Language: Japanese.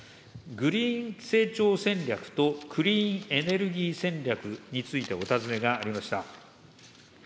グリーン成長戦略とクリーンエネルギー戦略についてお尋ねがありました。